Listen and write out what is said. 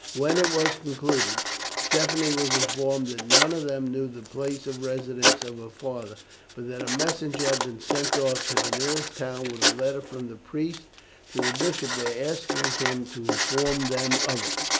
When it was concluded, Stephanie was informed that none of them knew the place of residence of her father, but that a messenger had been sent off to the nearest town with a letter from the priest to the bishop there, asking him to inform them of it.